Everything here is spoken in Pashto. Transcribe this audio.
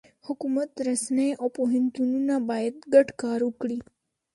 حکومت، رسنۍ، او پوهنتونونه باید ګډ کار وکړي.